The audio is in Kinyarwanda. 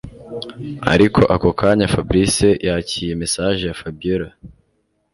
Ariko ako kanya Fabric yakiye message ya Fabiora